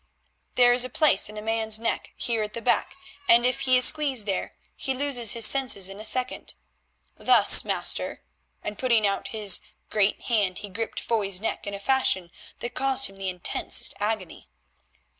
There is a place in a man's neck, here at the back, and if he is squeezed there he loses his senses in a second. Thus, master—" and putting out his great hand he gripped Foy's neck in a fashion that caused him the intensest agony.